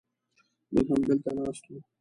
موږ همدلته ناست و.